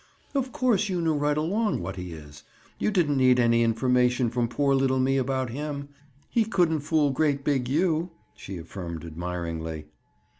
"Of course you knew right along what he is. You didn't need any information from poor little me about him. He couldn't fool great big You!" she affirmed admiringly.